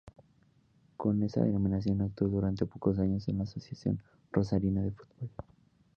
Con esa denominación actuó durante pocos años en la Asociación Rosarina de Fútbol.